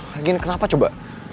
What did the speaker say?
lagi ini kenapa coba